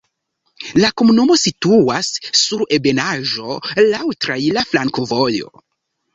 La komunumo situas sur ebenaĵo, laŭ traira flankovojo.